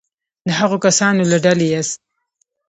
د هغو کسانو له ډلې یاست.